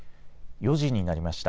４時になりました。